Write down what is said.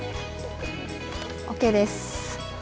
ＯＫです。